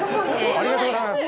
ありがとうございます。